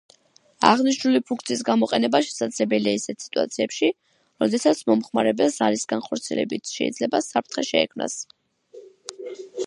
აღნიშნული ფუნქციის გამოყენება შესაძლებელია ისეთ სიტუაციებში, როდესაც მომხმარებელს ზარის განხორციელებით შეიძლება საფრთხე შეექმნას.